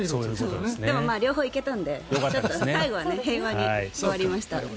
でも両方行けたので最後は平和に終わりました。